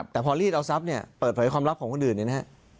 แต่พอรีดเอาทรัพย์เนี่ยเปิดเผยความลับของคนอื่นเนี่ยนะฮะ